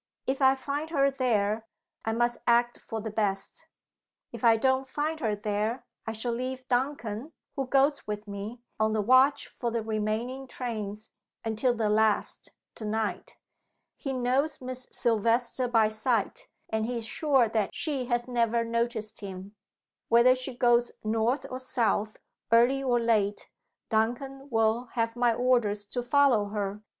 If I find her there, I must act for the best. If I don't find her there, I shall leave Duncan (who goes with me) on the watch for the remaining trains, until the last to night. He knows Miss Silvester by sight, and he is sure that she has never noticed him. Whether she goes north or south, early or late, Duncan will have my orders to follow her.